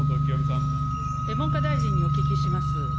文科大臣にお聞きいたします。